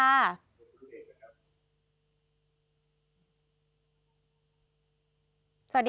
สวัสดีค่ะ